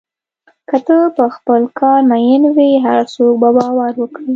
که ته په خپل کار مین وې، هر څوک به باور وکړي.